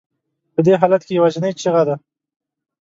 په دې حالت کې یوازینۍ چیغه ده.